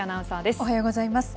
おはようございます。